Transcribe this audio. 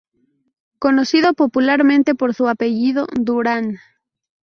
Conocido popularmente por su apellido ""Durán"".